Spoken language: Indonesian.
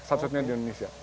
sapsotnya di indonesia